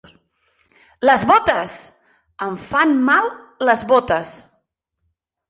Les botes! Em fan mal les botes.